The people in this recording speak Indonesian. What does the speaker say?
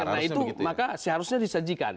karena itu maka seharusnya disajikan